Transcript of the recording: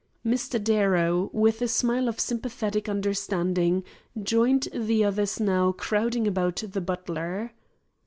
Mr. Darrow, with a smile of sympathetic understanding, joined the others now crowding about the butler.